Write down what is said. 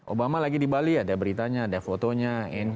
obama lagi di bali ada beritanya ada fotonya